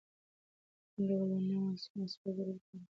کوم ډول ونه د مسواک جوړولو لپاره ډېره مشهوره ده؟